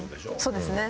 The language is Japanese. そうですね。